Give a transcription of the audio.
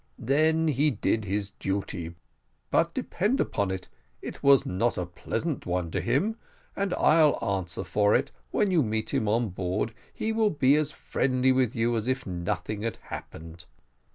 "Then he did his duty; but depend upon it it was not a pleasant one to him: and I'll answer for it, when you meet him on board, he will be as friendly with you as if nothing had happened."